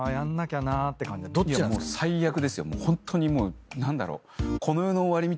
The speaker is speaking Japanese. ホントにもう何だろう？